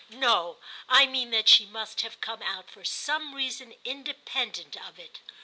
"No, I mean that she must have come out for some reason independent of it."